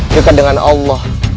dekat dengan allah